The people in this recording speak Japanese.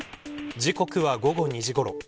時刻は、午後２時ごろ。